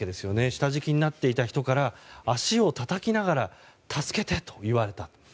下敷きになっていた人から足をたたきながら助けてと言われたと。